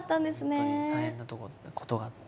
本当に大変なことがあって。